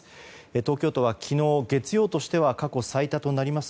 東京都は昨日、月曜としては過去最多となります